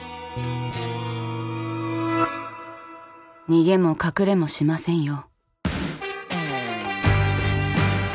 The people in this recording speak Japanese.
逃げも隠れもしませんよ。